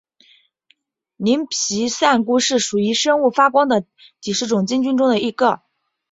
鳞皮扇菇是属于生物发光的几十种真菌中的一个。